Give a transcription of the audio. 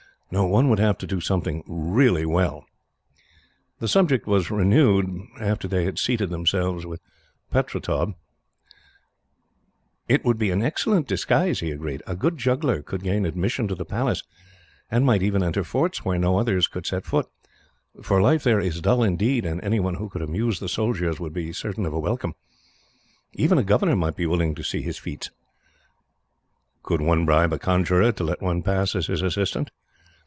No; one would have to do something really well." The subject was renewed, after they had seated themselves with Pertaub. "It would be an excellent disguise," he agreed. "A good juggler could gain admission to the Palace, and might even enter forts where no others could set foot; for life there is dull, indeed, and anyone who could amuse the soldiers would be certain of a welcome, and even a governor might be willing to see his feats." "Could one bribe a conjurer to let one pass as his assistant?"